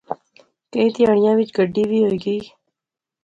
کی تہاڑیاں وچ گڈی وی ہوئی گئی